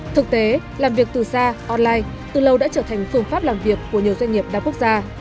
thực tế làm việc từ xa online từ lâu đã trở thành phương pháp làm việc của nhiều doanh nghiệp đa quốc gia